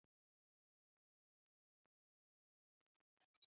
Obarogo nyar wasare